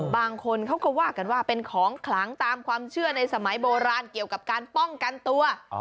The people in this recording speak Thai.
บางคนเขาก็ว่ากันว่าเป็นของขลังตามความเชื่อในสมัยโบราณเกี่ยวกับการป้องกันตัว